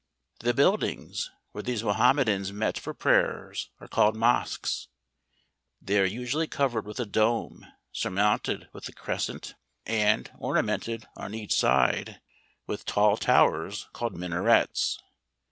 The buildings where these Mahomedans meet for prayers, are called Mosques. They are usu¬ ally covered with a dome, surmounted with the crescent, and ornamented on each side with tail 4 33 TURKEY. towers, called minarets.